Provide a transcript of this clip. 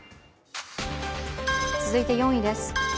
続いて４位です。